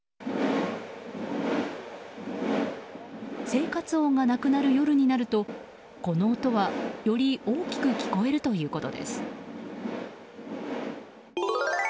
生活音がなくなる夜になるとこの音は、より大きく聞こえるということです。